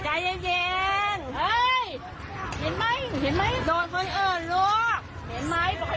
กลับบ้านแล้วมาเข้ากระหลม